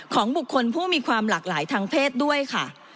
ของบุคคลผู้มีความหลากหลายทางเพศด้วยค่ะ